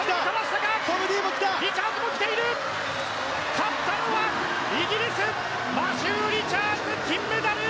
勝ったのはイギリス、マシュー・リチャーズ金メダル。